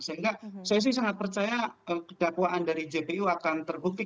sehingga saya sih sangat percaya dakwaan dari jpu akan terbukti